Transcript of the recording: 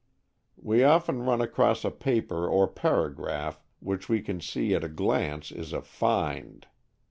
We often run across a paper or paragraph which we can see at a glance is a "find."